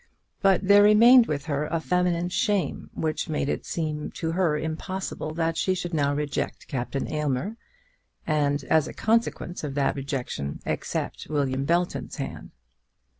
But there remained with her a feminine shame, which made it seem to her to be impossible that she should now reject Captain Aylmer, and as a consequence of that rejection, accept Will Belton's hand.